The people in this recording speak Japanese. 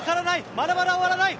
まだまだ終わらない。